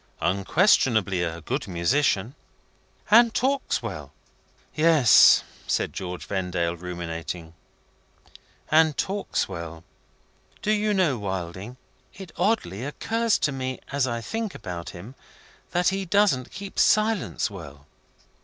"Unquestionably a good musician." "And talks well." "Yes," said George Vendale, ruminating, "and talks well. Do you know, Wilding, it oddly occurs to me, as I think about him, that he doesn't keep silence well!"